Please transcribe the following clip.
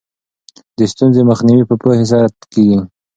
د ستونزو مخنیوی په پوهې سره کیږي.